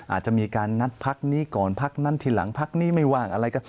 อาจจะมีการนัดพักนี้ก่อนพักนั้นทีหลังพักนี้ไม่ว่างอะไรก็